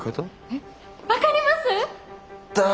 えっ分かります？っだ！